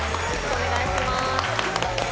お願いします。